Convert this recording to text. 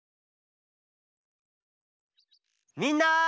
みんな！